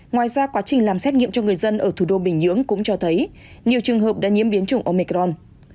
ngoài ra quá trình làm xét nghiệm cho người dân ở thủ đô bình nhưỡng cũng cho thấy nhiều trường hợp đã nhiễm biến chủng omecron